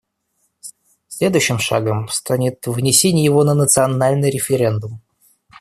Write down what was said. Следующим шагом станет вынесение его на национальный референдум.